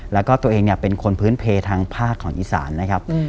แล้วก็ตัวเองเนี่ยเป็นคนพื้นเพลทางภาคของอีสานนะครับ